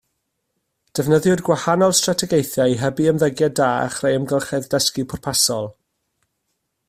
Defnyddiwyd gwahanol strategaethau i hybu ymddygiad da a chreu amgylchedd dysgu pwrpasol